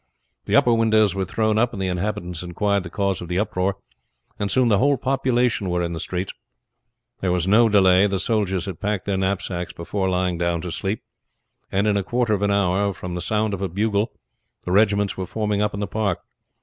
The upper windows were thrown up and the inhabitants inquired the cause of the uproar, and soon the whole population were in the streets. There was no delay. The soldiers had packed their knapsacks before lying down to sleep, and in a quarter of an hour from the sound of a bugle the regiments were forming up in the park.